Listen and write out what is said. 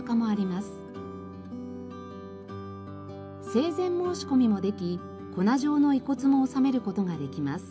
生前申し込みもでき粉状の遺骨も納める事ができます。